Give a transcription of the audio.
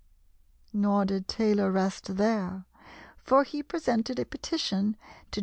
Nor did Taylor rest there, for he presented a petition to James I.